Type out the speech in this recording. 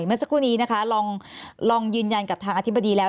เมื่อสักครู่นี้นะคะลองยืนยันกับทางอธิบดีแล้ว